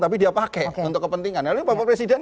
tapi dia pakai untuk kepentingan lalu bapak presiden